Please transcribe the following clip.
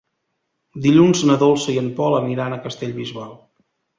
Dilluns na Dolça i en Pol aniran a Castellbisbal.